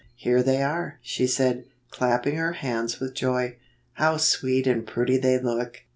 "Here they are," she said, clapping her hands with joy. " How sweet and pretty they look